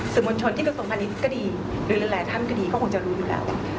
สมชนที่กระทงพันธุ์ก็ดีหรือหลายท่านก็ดีก็คงจะรู้ดูแล้ว